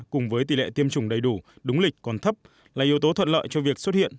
cùng với tỷ lệ tiêm chủng đầy đủ đúng lịch còn thấp là yếu tố thuận lợi cho việc xuất hiện